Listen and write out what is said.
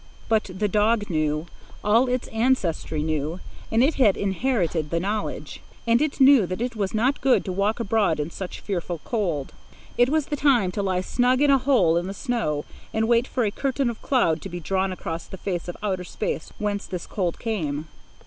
But the dog knew; all its ancestry knew, and it had inherited the knowledge. And it knew that it was not good to walk abroad in such fearful cold. It was the time to lie snug in a hole in the snow and wait for a curtain of cloud to be drawn across the face of outer space whence this cold came.